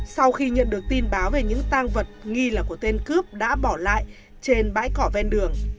sau khi nhận được tin báo về những tăng vật nghi là của tên cướp đã bỏ lại trên bãi cỏ ven đường